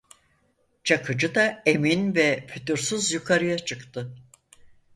Çakıcı da emin ve fütursuz yukarıya çıktı.